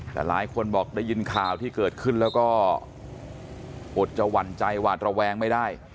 แต่หลายคนบอกได้ยินข่าวที่เกิดขึ้นแล้วก็อดจะหวั่นใจหวาดระแวงไม่ได้